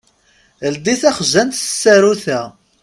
Ldi taxzant s tsarut-a.